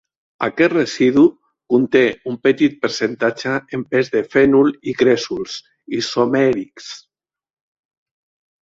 Aquest residu conté un petit percentatge en pes de fenol i cresols isomèrics